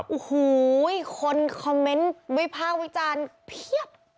โอ้โหคนคอมเมนต์วิพากษ์วิจารณ์เพียบ